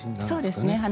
そうですね。